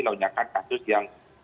lonjakan kasus yang